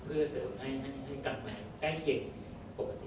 เพื่อเสริมให้กลับมาใกล้เคียงปกติ